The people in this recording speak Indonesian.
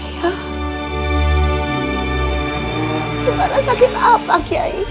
sembara sakit apa kiai